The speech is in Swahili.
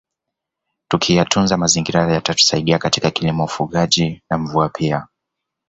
Tukiyatunza mazingira yatatusaidia katika kilimo ufugaji na mvua pia